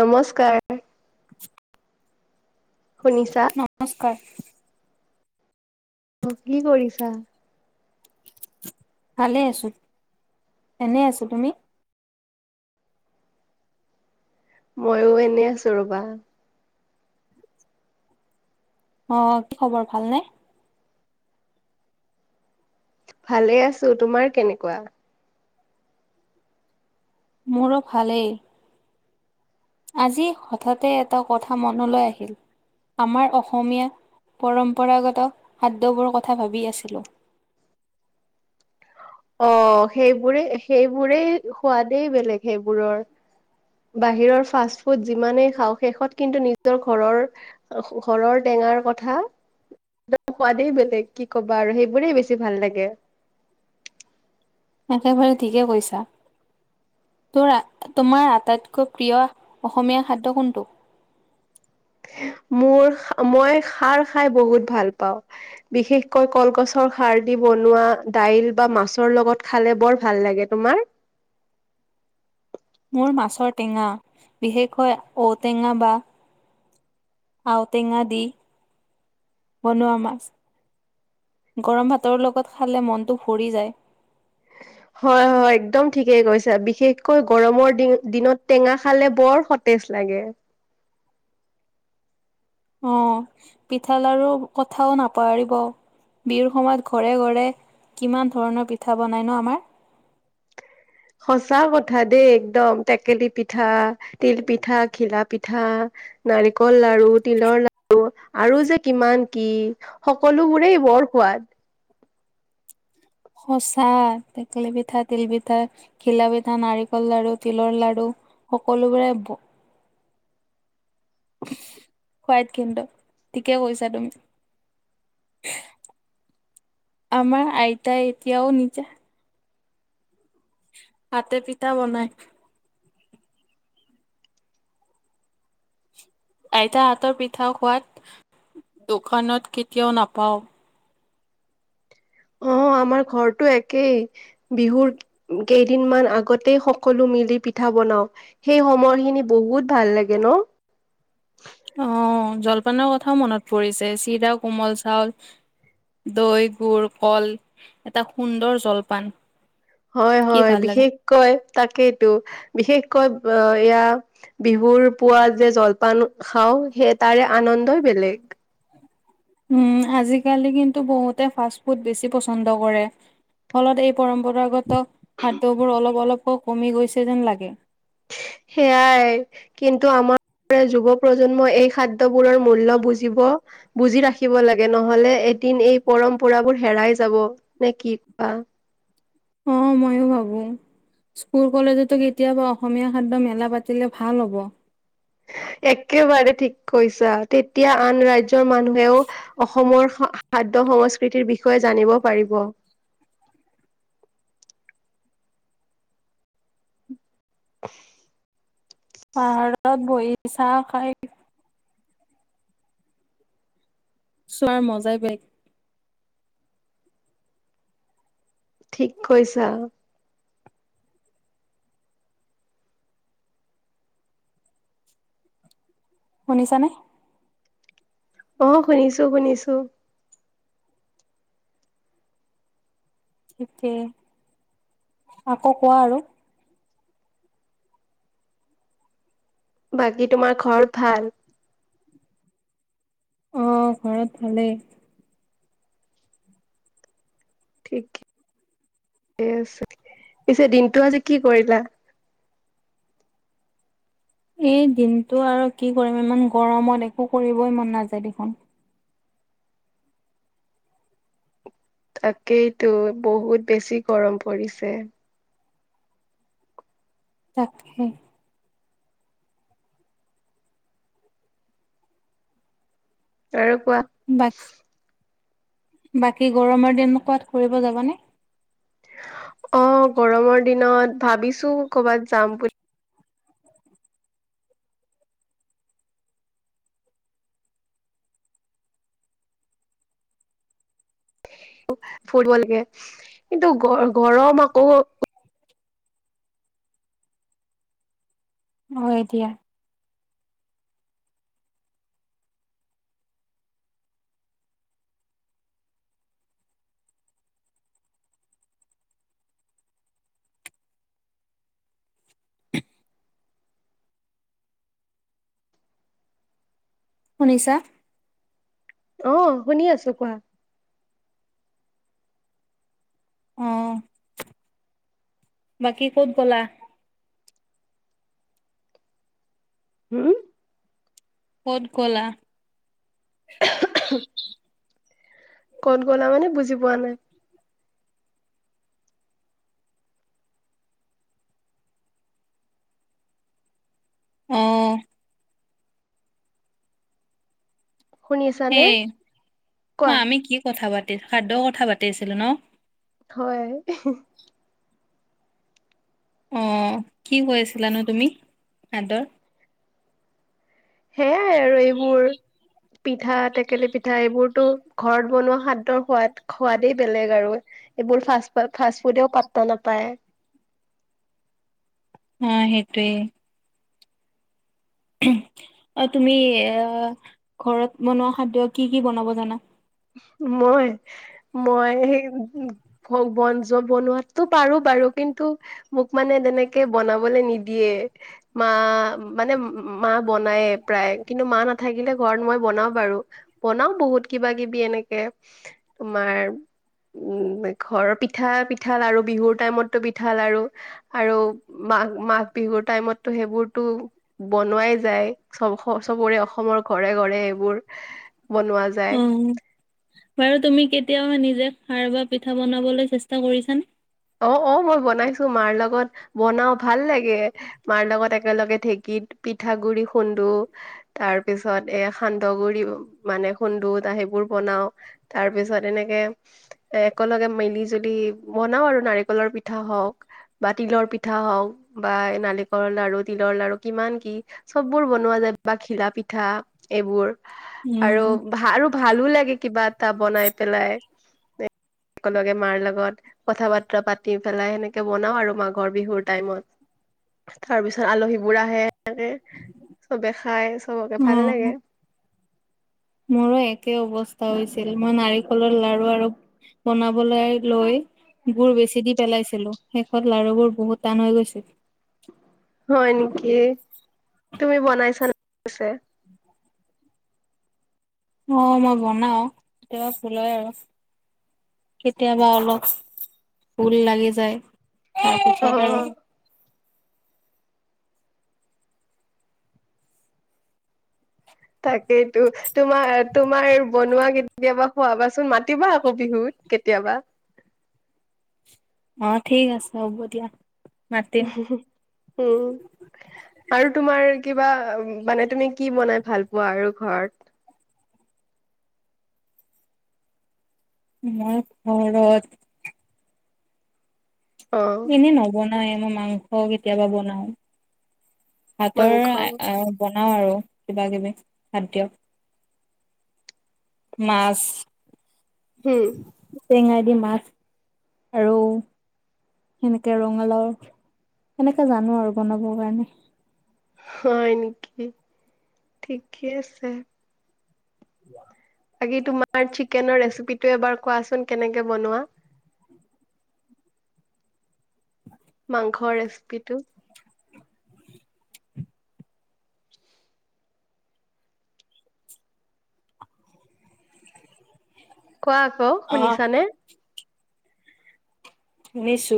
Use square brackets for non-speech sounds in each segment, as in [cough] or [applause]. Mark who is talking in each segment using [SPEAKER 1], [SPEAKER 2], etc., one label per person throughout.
[SPEAKER 1] নমস্কাৰ।
[SPEAKER 2] [unintelligible]
[SPEAKER 1] শুনিছা?
[SPEAKER 2] নমস্কাৰ।
[SPEAKER 1] অ', কি কৰিছা?
[SPEAKER 2] ভালে আছো এনে আছো তুমি?
[SPEAKER 1] ময়ো এনেই আছো ৰবা।
[SPEAKER 2] অ', কি খবৰ ভালনে?
[SPEAKER 1] ভালে আছো তোমাৰ কেনেকুৱা।
[SPEAKER 2] মোৰো ভালেই। আজি হঠাতে এটা কথা মনলৈ আহিল। আমাৰ অসমীয়া পৰম্পৰাগত খাদ্যবোৰৰ কথা ভাবি আছিলোঁ।
[SPEAKER 1] অ', সেইবোৰে সেইবোৰেই সোৱাদেই বেলেগ সেইবোৰৰ। বাহিৰৰ ফাষ্ট ফুড যিমানেই খাওঁ শেষত কিন্তু নিজৰ ঘৰৰ ঘৰৰ টেঙাৰ কথা একদম সোৱাদেই বেলেগ কি ক'বা আৰু সেইবোৰেই বেছি ভাল লাগে।
[SPEAKER 2] একেবাৰে ঠিকে কৈছা। তোৰ তোমাৰ আটাইতকৈ প্ৰিয় অসমীয়া খাদ্য কোনটো?
[SPEAKER 1] মোৰ মই খাৰ খাই বহুত ভাল পাওঁ। বিশেষকৈ কলগছৰ খাৰ দি বনোৱা দাইল বা মাছৰ লগত খালে বৰ ভাল লাগে তোমাৰ?
[SPEAKER 2] মোৰ মাছৰ টেঙা বিশেষকৈ ঔটেঙা বা আৰও টেঙা দি বনোৱামাৰ। গৰম ভাতৰ লগত খালে মনটো ভৰি যায়।
[SPEAKER 1] হয় হয় একদম ঠিকেই কৈছা বিশেষকৈ গৰমৰ দিনত টেঙা খালে বৰ টেষ্ট লাগে।
[SPEAKER 2] অ', পিঠা লাৰু কথাও নাপাহৰিব। বিহুৰ সময়ত ঘৰে ঘৰে কিমান ধৰণৰ পিঠা বনাই ন আমাৰ।
[SPEAKER 1] সঁচা কথা দেই একদম টেকেলি পিঠা তিল পিঠা ঘিলা পিঠা। নাৰিকল লাৰু তিলৰ লাৰু আৰু যে কিমান কি সকলোবোৰেই বৰ সোৱাদ।
[SPEAKER 2] সঁচা টেকেলি পিঠা তিল পিঠা ঘিলা পিঠা নাৰিকল লড়ু তিলৰ লাড়ু। সকলোবোৰে সোৱাদ কিন্ত ঠিকে কৈছা তুমি। আমাৰ আইতা এতিয়াও নিজা হাতে পিঠা বনাই। আইতা হাতৰ পিঠা খোৱাত দোকানত কেতিয়াও নাপাও।
[SPEAKER 1] অ আমাৰ ঘৰটো একেই বিহুৰ। কেইদিনমান আগতেই সকলো মিলি পিঠা বনাও। সেই সময়খিনি বহুত ভাল লাগে নহ।
[SPEAKER 2] অ জলপানৰ কথাও মনত পৰিছে চিৰা কোমল চাউল। দৈ গুড় কল এটা সুন্দৰ জলপান।
[SPEAKER 1] হয়,
[SPEAKER 2] কি
[SPEAKER 1] হয়
[SPEAKER 2] ভাল লাগে?
[SPEAKER 1] বিশেষকৈ তাকেইতো বিশেষকৈ আহ এয়া। বিহুৰ পুৱা যে জলপান খাওঁ সেই তাৰে আনন্দই বেলেগ।
[SPEAKER 2] উম আজিকালি কিন্তু বহুতে ফাষ্ট ফুড বেছি পচন্দ কৰে। ফলত এই পৰম্পৰাগত খাদ্যবোৰ অলপ অলপকৈ কমি গৈছে যেন লাগে।
[SPEAKER 1] সেয়াই। কিন্তু আমাৰ যুৱ প্ৰজন্মই এই খাদ্যবোৰৰ মূল্য বুজিব। বুজি ৰাখিব লাগে নহলে এদিন এই পৰম্পৰাবোৰ হেৰাই যাব নে কি কোৱা।
[SPEAKER 2] অ', মইয়ো ভাবো। স্কুল কলেজতো কেতিয়াবা অসমীয়া খাদ্যৰ মেলা পাতিলে ভাল হ'ব।
[SPEAKER 1] একেবাৰে ঠিক কৈছা তেতিয়া আন ৰাজ্যৰ মানুহেও। অসমৰ খাদ্য সংস্কৃতিৰ বিষয়ে জানিব পাৰিব।
[SPEAKER 2] পাহাৰত বহি চাহ খাই। চোৱাৰ মজাই বেলে
[SPEAKER 1] ঠিক কৈছা।
[SPEAKER 2] শুনিছানে?
[SPEAKER 1] অ', শুনিছো, শুনিছো।
[SPEAKER 2] ঠিকেই, আকৌ কোৱা আৰু।
[SPEAKER 1] বাকী তোমাৰ ঘৰত ভাল।
[SPEAKER 2] অ', ঘৰত ভালে।
[SPEAKER 1] ঠিক ঠিকে আছে পিছে দিনটো আজি কি কৰিলা।
[SPEAKER 2] এই দিনটো আৰু কি কৰিম ইমান গৰমত একো কৰিবই মন নাযায় দেখোন।
[SPEAKER 1] তাকেইতো বহুত বেছি গৰম পৰিছে।
[SPEAKER 2] [unintelligible]
[SPEAKER 1] আৰু কোৱা।
[SPEAKER 2] [unintelligible] বাকী গৰমৰ দিন ক'বাত ফুৰিব যাবা নে।
[SPEAKER 1] অ', গৰমৰ দিনত ভাবিছোঁ কৰো'বাত যাম বুলি। [unintelligible] কিন্তু গ-গৰম আকৌ।
[SPEAKER 2] হয় দিয়া। শুনিছাঁ।
[SPEAKER 1] অ', শুনি আছোঁ কোৱা।
[SPEAKER 2] অ'। বাকি ক'ত গ'লা?
[SPEAKER 1] উম।
[SPEAKER 2] ক'ত গ'লা।
[SPEAKER 1] ক'ত গ'লা মানে বুজি পোৱা নাই।
[SPEAKER 2] [unintelligible]
[SPEAKER 1] শুনি আছানে? কোৱা।
[SPEAKER 2] [unintelligible] আমি কি কথা পাতি খাদ্য কথা পাতি আছিলোঁ নহ।
[SPEAKER 1] হয়।
[SPEAKER 2] অ', কি কৈ আছিলানো তুমি খাদ্যৰ।
[SPEAKER 1] সেয়াই আৰু এইবোৰ। পিঠা টেকেলি পিঠা এইবোৰতো ঘৰত বনোৱা খাদ্যৰ সোৱাদ-সোৱাদেই বেলেগ আৰু। এইবোৰ ফাচ-ফাষ্ট ফুডেও পাত্তা নাপায়।
[SPEAKER 2] অ', সেইটোৱেই। অ', তুমি এ ঘৰত বনোৱা খাদ্য কি কি বনাব জানা।
[SPEAKER 1] মই মই হেই ভ বনজবনোৱাত তো পাৰো বাৰু কিন্তু মোক মানে তেনেকে বনাবলে নিদিয়ে। মা মানে, মা বনায় প্ৰায় কিন্তু মা নাথাকিলে ঘৰত মই বনাও বাৰু। বনাও বহুত কিবা কিবি এনেকে তোমাৰ। উম, ঘৰৰ পিঠা পিঠা, লাড়ু বিহুৰ টাইমতো পিঠা, লাড়ু। আৰু মাঘ মাঘ বিহুৰ টাইমতটো সেইবোৰতো। বনোৱাই যায় চ'ব চবৰে অসমৰ ঘৰে ঘৰে এইবোৰ বনোৱা যায়।
[SPEAKER 2] অ'বাৰু তুমি কেতিয়াবা নিজে খায় বৈয় পিঠা বনাবলৈ চেষ্টা কৰিছানে?
[SPEAKER 1] অ' অ' মই বনাইছোঁ মাৰ লগত বনাও ভাল লাগে। মাৰ লগত একেলগে ঢেঁকীত পিঠাগুৰি খুন্দো। তাৰ পিছত এ সান্দহ গুৰি মানে খুন্দো ত' সেইবোৰ বনাওঁ। তাৰ পিছত এনেকে এ একেলগে মিলি জুলি বনাওঁ আৰু। নাৰিকলৰ পিঠা হওঁক। বা তিলৰ পিঠা হওঁক বা নাৰিকলৰ লাৰু, তিলৰ লাৰু কিমান কি। চববোৰ বনোৱা যায় বা ঘিলা পিঠা এইবোৰ। আৰু
[SPEAKER 2] উম।
[SPEAKER 1] ভ আৰু ভালো লাগে কিবা এটা বনাই পেলাই। একেলগে মাৰ লগত কথা পাতি। পাতি পেলাই সেনেকে বনাওঁ আৰু মাঘৰ বিহুৰ টাইমত। তাৰ পিছত আলহীবোৰ আহে, সেনেকে চবে খাই চবকে ভাল
[SPEAKER 2] উম,
[SPEAKER 1] লাগে।
[SPEAKER 2] মোৰো একে অৱস্থা হৈছিল। মই নাৰিকলৰ লাৰু আৰু বনাবলৈ লৈ গুৰ বেছি দি পেলাইছিলোঁ, শেষত লাাৰুবোৰ বহুত টান হৈ গৈছিল।
[SPEAKER 1] হয় নেকি, তুমি বনাইছা [unintelligible]
[SPEAKER 2] অ' মই বনাও কেতিয়াবা ভূল হয় আৰু কেতিয়াবা অলপ ভূল লাগি যায়
[SPEAKER 1] অ
[SPEAKER 2] তাৰপিছত আৰু
[SPEAKER 1] তাকেইতো তোমাৰ তোমাৰ বনোৱা কেতিয়াবা। খোৱাবাচোন মাতিবা আকৌ বিহুত কেতিয়াবা।
[SPEAKER 2] অ' ঠিক আছে হ'ব দিয়া।
[SPEAKER 1] উ,
[SPEAKER 2] মাতিম
[SPEAKER 1] উ, উম। আৰু তোমাৰ কিবা মানে তুমি কি বনাই ভাল পোৱা আৰু ঘৰত।
[SPEAKER 2] মই ঘৰৰত।
[SPEAKER 1] অ
[SPEAKER 2] এনে নবনায়ো মই মাংস কেতিয়াবা বনাও। ভাতৰ
[SPEAKER 1] মাংস
[SPEAKER 2] বনাও আৰু কিবা কিবি খাদ্য। মাছ
[SPEAKER 1] হ'ম।
[SPEAKER 2] টেঙাই দি মাছ আৰু সেনেকে ৰঙালাও, সেনেকে জানো আৰু বনাবৰ কাৰণে।
[SPEAKER 1] হয় নেকি, ঠিকে আছে।
[SPEAKER 2] কোৱা
[SPEAKER 1] বাকি তোমাৰ চিকেনৰ ৰেচিপি টো এবাৰ কোৱাচোন কেনেকে বনোৱা। মাংসৰ ৰেচিপিটো। [unintelligible] কোৱা আকৌ,
[SPEAKER 2] অ',
[SPEAKER 1] শুনিছানে?
[SPEAKER 2] শুনিছো,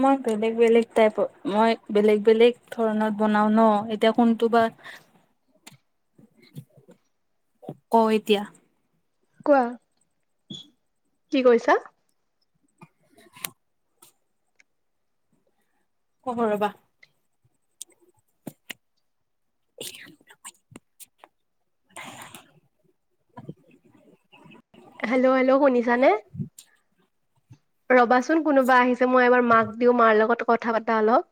[SPEAKER 2] মই বেলেগ বেলেগ টাইপত, মই বেলেগ বেলেগ ধৰণত বনাও ন এতিয়া কোনটো বা। ক এতিয়া।
[SPEAKER 1] কোৱা, কি কৈছা?
[SPEAKER 2] [unintelligible] কম ৰ'বা। [unintelligible]
[SPEAKER 1] হেল্ল' হেল্ল' শুনিছা নে? ৰবাচোন কোনোবা আহিছে মই এবাৰ মাক দিও মাৰ লগত কথা পাতা অলপ।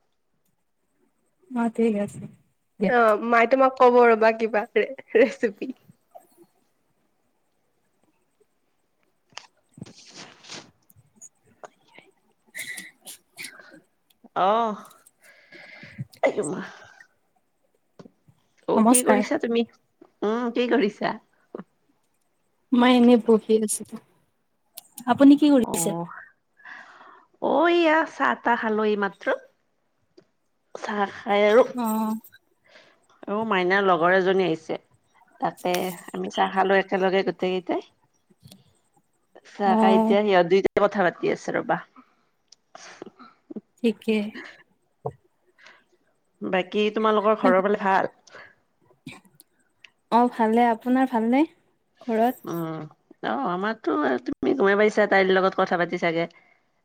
[SPEAKER 2] অঁ', থিক আছে।
[SPEAKER 1] অ', মায়ে তোমাক কব ৰ'বা কিবা ৰে ৰেচিপি। [inaudible] অ', [unintelligible] অ', কি
[SPEAKER 2] নমস্কাৰ
[SPEAKER 1] কৰিছা তুমি উম, কি কৰিছা?
[SPEAKER 2] মই এনেই বহি আছিলো আপুনি কি কৰি
[SPEAKER 1] অ
[SPEAKER 2] আছে?
[SPEAKER 1] অ', ইয়া চাহ তাহ খালোঁ এই মাত্ৰ। চাহ খাই আৰু
[SPEAKER 2] অ',
[SPEAKER 1] অ', মাইনাৰ লগৰ এজনী আহিছে। তাতে আমি চাহ খালো একেলগে গোটেই কেইটাই। চাহ খাই
[SPEAKER 2] অ',
[SPEAKER 1] এতিয়া সিহঁত দুইটাই কথা পাতি আছে ৰবা।
[SPEAKER 2] ঠিকে।
[SPEAKER 1] বাকী তোমালোকৰ ঘৰৰ বালে ভাল?
[SPEAKER 2] অ', ভালে আপোনাৰ ভালনে ঘৰত?
[SPEAKER 1] উম, আহ আমাৰতো তুমি গমাই পাইিছা তাইৰ লগত কথা পাতি চাগে।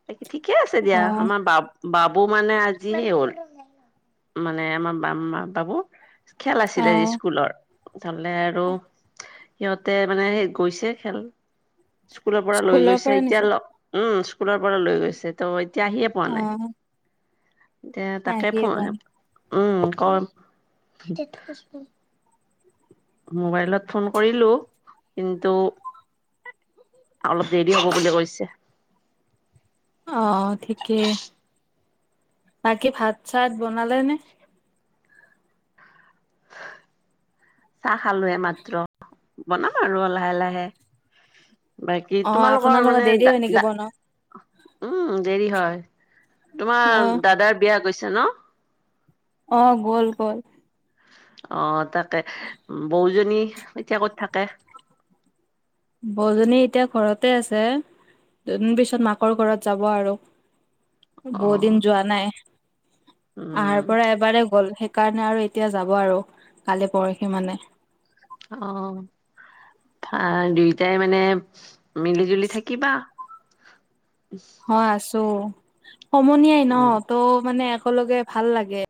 [SPEAKER 1] তাকি ঠিকে আছে দিয়া
[SPEAKER 2] অ',
[SPEAKER 1] আমাৰ বাপ বাবু মানে আজি হ'ল মানে আমাৰ বামা বাবু। খেল আছিলে
[SPEAKER 2] অ',
[SPEAKER 1] স্কুলৰ তহলে আৰু তাতে মানে সেই গৈছে খেল স্কুলৰ পৰা লৈ গৈছে
[SPEAKER 2] পৰা
[SPEAKER 1] এতিয়া
[SPEAKER 2] নিছে
[SPEAKER 1] উম, স্কুলৰ পৰা লৈ গৈছে ত' এতিয়া আহিয়ে পোৱা নাই।
[SPEAKER 2] অ',
[SPEAKER 1] এতিয়া তাকে ফ
[SPEAKER 2] আহিয়ে পাম
[SPEAKER 1] উম, ক মোবাইলত ফোন কৰিলো কিন্তু অলপ দেৰি হ'ব বুলি কৈছে।
[SPEAKER 2] অ', ঠিকেই বাকী ভাত চাত বনালে নে? [inaudible]
[SPEAKER 1] চাহ খালো এই মাত্ৰ বনাম আৰু লাহে লাহে। বাকী
[SPEAKER 2] অ
[SPEAKER 1] তোমালোকৰ
[SPEAKER 2] আপোনালোকৰ
[SPEAKER 1] মানে
[SPEAKER 2] দেৰি
[SPEAKER 1] দ
[SPEAKER 2] হয় নেকি
[SPEAKER 1] দা
[SPEAKER 2] বনোৱা?
[SPEAKER 1] উম, দেৰি হয়
[SPEAKER 2] অ
[SPEAKER 1] তোমাৰ দাদাৰ বিয়া কৈছে ন?
[SPEAKER 2] অ', গ'ল গ'ল।
[SPEAKER 1] অ', তাকে বৌজনী এতিয়া ক'ত থাকে?
[SPEAKER 2] বৌজনী এতিয়া ঘৰতে আছে। দুদিন পিছত মাকৰ ঘৰত যাব আৰু।
[SPEAKER 1] অ
[SPEAKER 2] বহু দিন যোৱা নাই
[SPEAKER 1] উম
[SPEAKER 2] আহাৰ পৰা এবাৰেই গ'ল সেই কাৰণে আৰু এতিয়া যাব আৰু কালি পৰহি মানে।
[SPEAKER 1] অ', আহ দুইটাই মানে মিলি জুলি থাকিবা।
[SPEAKER 2] অ', আছো সমনিয়াই ন
[SPEAKER 1] উম
[SPEAKER 2] তৌ মানে একেলগে ভাল লাগে।